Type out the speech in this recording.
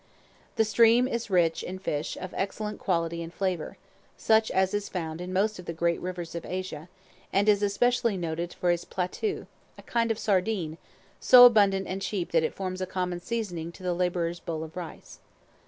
The stream is rich in fish of excellent quality and flavor, such as is found in most of the great rivers of Asia; and is especially noted for its platoo, a kind of sardine, so abundant and cheap that it forms a common seasoning to the laborer's bowl of rice.